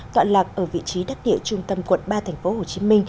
toạn lạc ở vị trí đắc địa trung tâm quận ba tp hcm